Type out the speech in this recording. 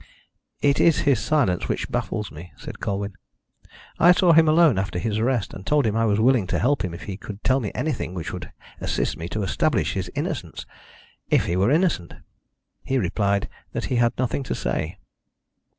"It is his silence which baffles me," said Colwyn. "I saw him alone after his arrest, and told him I was willing to help him if he could tell me anything which would assist me to establish his innocence if he were innocent. He replied that he had nothing to say."